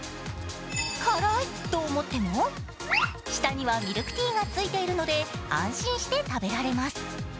辛い！と思っても下にはミルクティーがついているので安心して食べられます。